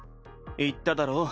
言っただろ？